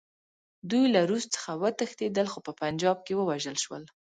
دوی له روس څخه وتښتېدل، خو په پنجاب کې ووژل شول.